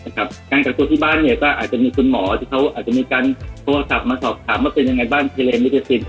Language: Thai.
นะครับการให้ที่บ้านนะคะอาจจะมีคุณหมอที่เขาอาจจะมีการโทรศัพท์มาสอบถามว่าเป็นยังไงบ้านคนนี้